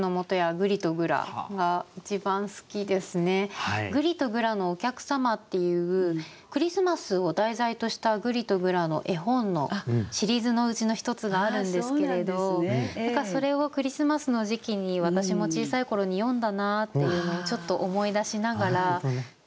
「ぐりとぐらのおきゃくさま」っていうクリスマスを題材とした「ぐりとぐら」の絵本のシリーズのうちの一つがあるんですけれど何かそれをクリスマスの時期に私も小さい頃に読んだなっていうのをちょっと思い出しながら。